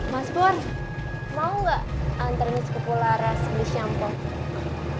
mas pur mau gak antar mis ke pulau ras belis syampo